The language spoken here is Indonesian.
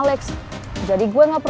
rebels terus nak gampar